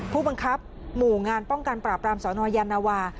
ผู้บังคับหมู่งานป้องกันปราบรามสนยานวา